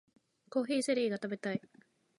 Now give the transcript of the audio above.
コーヒーゼリーが食べたい